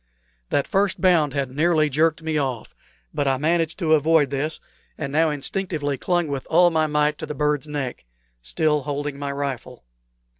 That first bound had nearly jerked me off; but I managed to avoid this and now instinctively clung with all my might to the bird's neck, still holding my rifle.